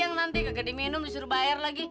sayang nanti kagak diminum disuruh bayar lagi